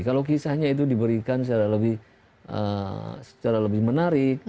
kalau kisahnya itu diberikan secara lebih menarik